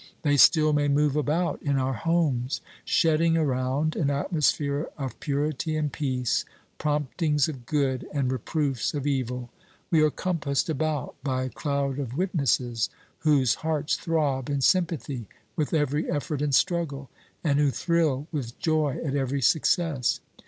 They still may move about in our homes, shedding around an atmosphere of purity and peace, promptings of good, and reproofs of evil. We are compassed about by a cloud of witnesses, whose hearts throb in sympathy with every effort and struggle, and who thrill with joy at every success.